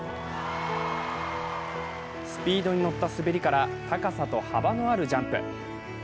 スピードに乗った滑りから高さと幅のあるジャンプ。